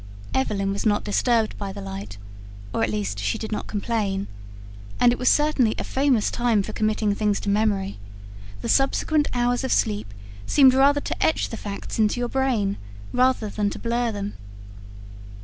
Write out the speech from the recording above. Evelyn was not disturbed by the light, or at least she did not complain; and it was certainly a famous time for committing things to memory: the subsequent hours of sleep seemed rather to etch the facts into your brain than to blur them.